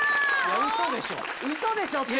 「ウソでしょ」って何？